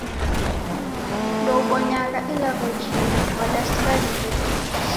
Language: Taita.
Ndeubonyagha ilagho jingi, wadasida nyumbenyi